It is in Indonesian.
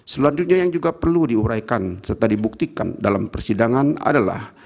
selanjutnya yang juga perlu diuraikan serta dibuktikan dalam persidangan adalah